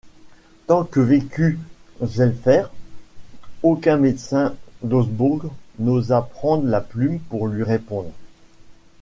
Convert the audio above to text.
Tant que vécut Zwelfer, aucun médecin d'Augsbourg n'osa prendre la plume pour lui répondre.